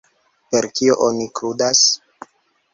Per kio oni kudras?